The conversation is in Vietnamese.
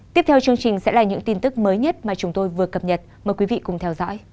tiếp theo chương trình sẽ là những tin tức mới nhất mà chúng tôi vừa cập nhật mời quý vị cùng theo dõi